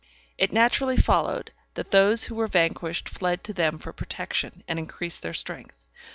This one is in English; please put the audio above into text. It naturally followed, that those who were vanquished fled to them for protection, and increased their strength.